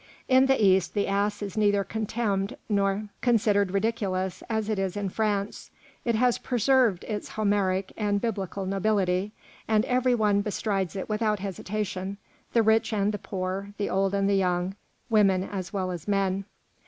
In the East the ass is neither contemned nor considered ridiculous as it is in France; it has preserved its Homeric and biblical nobility, and every one bestrides it without hesitation, the rich and the poor, the old and the young, women as well as men.